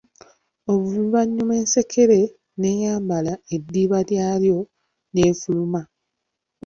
Oluvannyuma ensekere n'eyambala eddiba lyayo, n'efuluma.